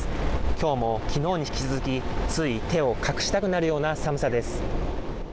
今日も昨日に引き続きつい手を隠したくなるような寒さです。